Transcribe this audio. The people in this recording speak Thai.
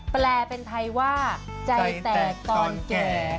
แปลเป็นไทยว่าใจแตกตอนแก่